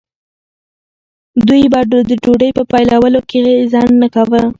دوی به د ډوډۍ په پیلولو کې ځنډ نه کاوه.